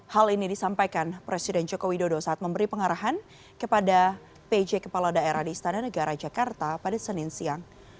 hal ini disampaikan presiden joko widodo saat memberi pengarahan kepada pj kepala daerah di istana negara jakarta pada senin siang